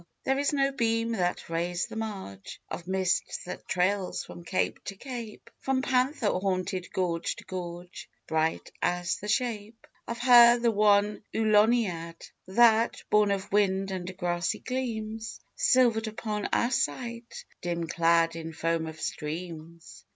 There is no beam that rays the marge Of mist that trails from cape to cape, From panther haunted gorge to gorge, Bright as the shape Of her, the one Auloniad, That, born of wind and grassy gleams, Silvered upon our sight, dim clad In foam of streams.